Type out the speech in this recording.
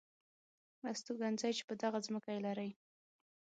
استوګنځي چې په دغه ځمکه یې لرئ .